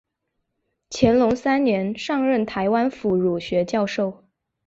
乾隆三年上任台湾府儒学教授。